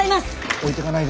置いてかないで。